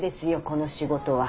この仕事は。